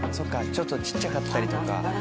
ちょっとちっちゃかったりとか。